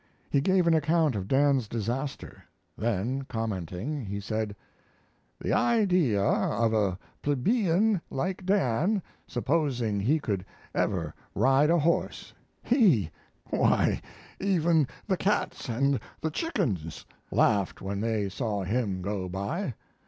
He gave an account of Dan's disaster; then, commenting, he said: The idea of a plebeian like Dan supposing he could ever ride a horse! He! why, even the cats and the chickens laughed when they saw him go by.